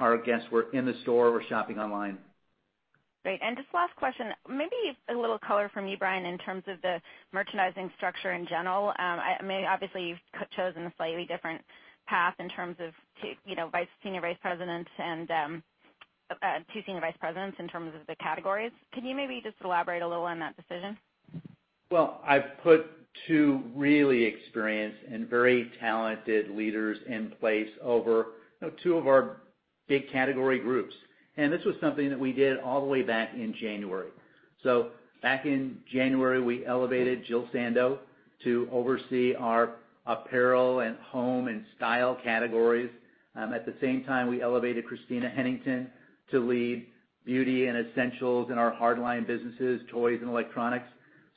our guests were in the store or shopping online. Great. Just last question. Maybe a little color from you, Brian, in terms of the merchandising structure in general. Obviously, you've chosen a slightly different path in terms of Senior Vice President and two Senior Vice Presidents in terms of the categories. Can you maybe just elaborate a little on that decision? Well, I've put two really experienced and very talented leaders in place over two of our big category groups. This was something that we did all the way back in January. Back in January, we elevated Jill Sando to oversee our apparel and home and style categories. At the same time, we elevated Christina Hennington to lead beauty and essentials in our hard line businesses, toys and electronics.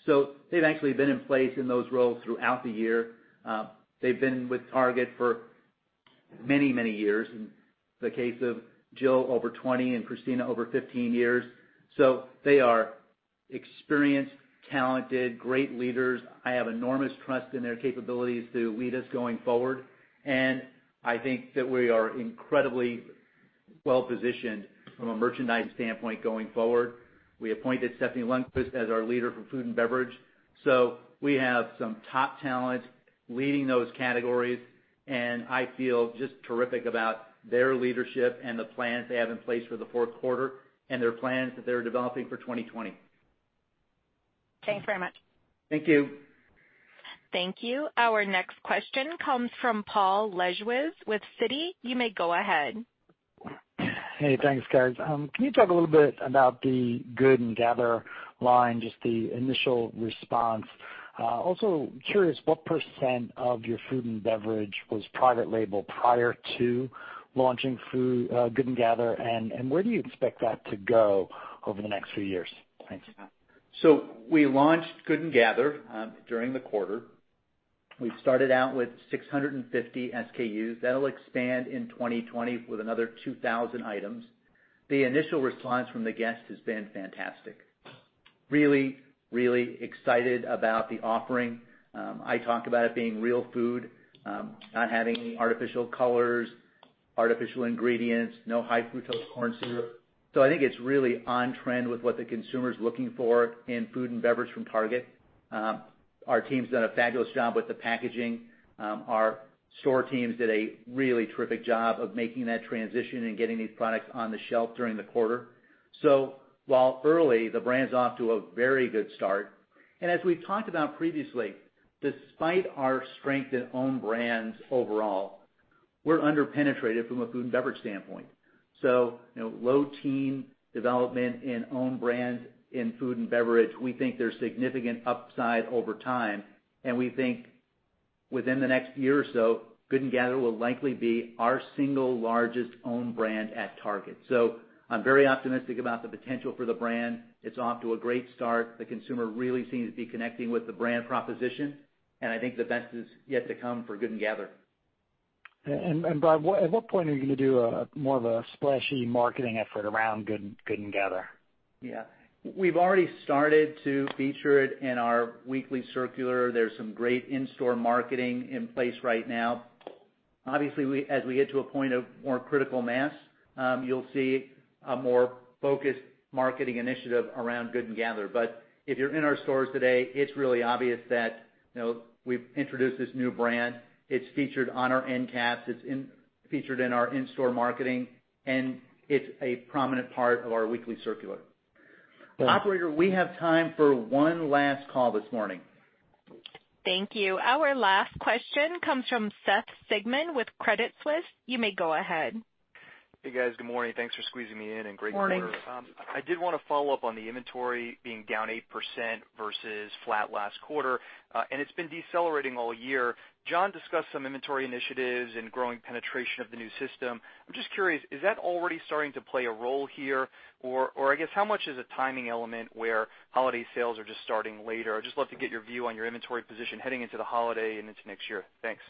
They've actually been in place in those roles throughout the year. They've been with Target for many, many years. In the case of Jill, over 20, and Christina, over 15 years. They are experienced, talented, great leaders. I have enormous trust in their capabilities to lead us going forward, and I think that we are incredibly well-positioned from a merchandise standpoint going forward. We appointed Stephanie Lundquist as our leader for food and beverage. We have some top talent leading those categories, and I feel just terrific about their leadership and the plans they have in place for the fourth quarter and their plans that they're developing for 2020. Thanks very much. Thank you. Thank you. Our next question comes from Paul Lejuez with Citi. You may go ahead. Hey, thanks, guys. Can you talk a little bit about the Good & Gather line, just the initial response? Curious, what percent of your food and beverage was private label prior to launching Good & Gather, and where do you expect that to go over the next few years? Thanks. We launched Good & Gather during the quarter. We started out with 650 SKUs. That'll expand in 2020 with another 2,000 items. The initial response from the guest has been fantastic. Really excited about the offering. I talk about it being real food, not having any artificial colors, artificial ingredients, no high fructose corn syrup. I think it's really on trend with what the consumer's looking for in food and beverage from Target. Our team's done a fabulous job with the packaging. Our store teams did a really terrific job of making that transition and getting these products on the shelf during the quarter. While early, the brand's off to a very good start. As we've talked about previously, despite our strength in own brands overall, we're under-penetrated from a food and beverage standpoint. Low teen development in own brands in food and beverage, we think there's significant upside over time, and we think within the next year or so, Good & Gather will likely be our single largest own brand at Target. I'm very optimistic about the potential for the brand. It's off to a great start. The consumer really seems to be connecting with the brand proposition, and I think the best is yet to come for Good & Gather. Brian, at what point are you going to do more of a splashy marketing effort around Good & Gather? Yeah. We've already started to feature it in our weekly circular. There's some great in-store marketing in place right now. Obviously, as we get to a point of more critical mass, you'll see a more focused marketing initiative around Good & Gather. If you're in our stores today, it's really obvious that we've introduced this new brand. It's featured on our endcaps. It's featured in our in-store marketing, and it's a prominent part of our weekly circular. Thanks. Operator, we have time for one last call this morning. Thank you. Our last question comes from Seth Sigman with Credit Suisse. You may go ahead. Hey, guys. Good morning. Thanks for squeezing me in. Great quarter. Morning. I did want to follow up on the inventory being down 8% versus flat last quarter. It's been decelerating all year. John discussed some inventory initiatives and growing penetration of the new system. I'm just curious, is that already starting to play a role here? I guess how much is a timing element where holiday sales are just starting later? I'd just love to get your view on your inventory position heading into the holiday and into next year. Thanks.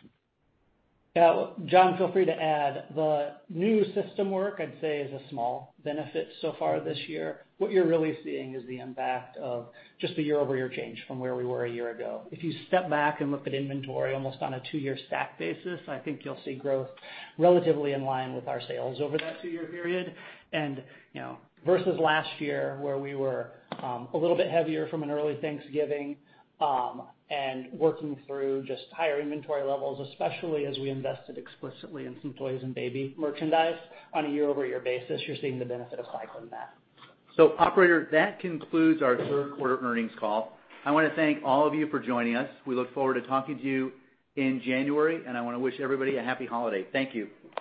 Yeah. John, feel free to add. The new system work I'd say is a small benefit so far this year. What you're really seeing is the impact of just the year-over-year change from where we were a year ago. If you step back and look at inventory almost on a two-year stack basis, I think you'll see growth relatively in line with our sales over that two-year period. Versus last year, where we were a little bit heavier from an early Thanksgiving and working through just higher inventory levels, especially as we invested explicitly in some toys and baby merchandise on a year-over-year basis, you're seeing the benefit of cycling that. Operator, that concludes our third quarter earnings call. I want to thank all of you for joining us. We look forward to talking to you in January, I want to wish everybody a happy holiday. Thank you.